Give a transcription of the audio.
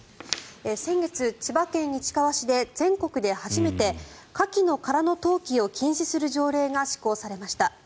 先月、千葉県市川市で全国で初めてカキの殻の投棄を禁止する条例が施行されました。